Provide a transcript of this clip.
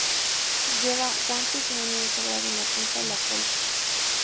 Lleva guantes y un anillo sagrado en la punta de la cola.